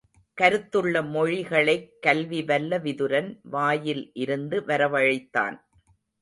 கருத்துள்ள மொழி களைக் கல்வி வல்ல விதுரன் வாயில் இருந்து வரவழைத்தான்.